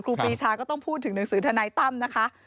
ครูปีชาก็ต้องพูดถึงหนังสือทนายตั้มนะคะ